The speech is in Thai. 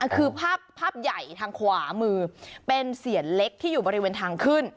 คือภาพใหญ่ทางขวามือเป็นเสียนเล็กที่อยู่บริเวณทางขึ้น